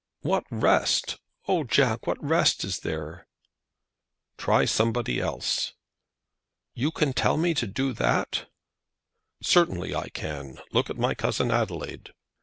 "What rest? Oh, Jack, what rest is there?" "Try somebody else." "Can you tell me to do that!" "Certainly I can. Look at my cousin Adelaide."